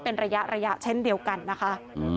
เป็นระยะเช่นเดียวกันนะคะ